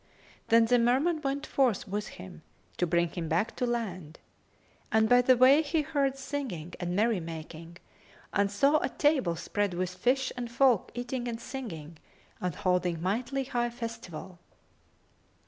Then the Merman went forth with him, to bring him back to land, and by the way he heard singing and merrymaking and saw a table spread with fish and folk eating and singing and holding mighty high festival.